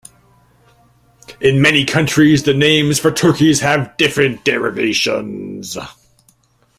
In many countries, the names for turkeys have different derivations.